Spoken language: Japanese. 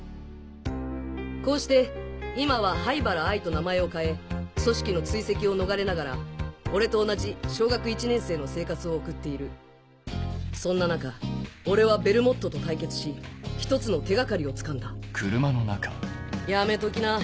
こうして今は灰原哀と名前を変え組織の追跡を逃れながら俺と同じ小学１年生の生活を送っているそんな中俺はベルモットと対決し１つの手掛かりをつかんだやめときな。